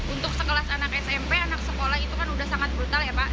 untuk sekelas anak smp anak sekolah itu kan sudah sangat brutal ya pak